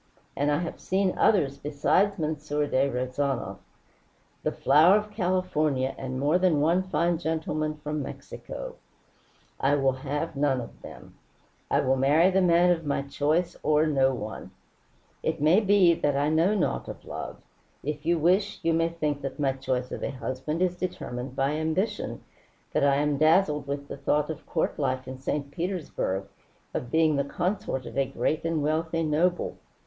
And I have seen others besides M. de Rezanov the flower of California and more than one fine gentleman from Mexico. I will have none of them. I will marry the man of my choice or no one. It may be that I know naught of love. If you wish, you may think that my choice of a husband is determined by ambition, that I am dazzled with the thought of court life in St. Petersburg, of being the consort of a great and wealthy noble.